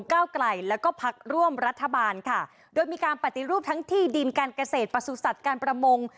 เก้าไกลแล้วก็พักร่วมรัฐบาลค่ะโดยมีการปฏิรูปทั้งที่ดินการเกษตรประสุทธิ์การประมง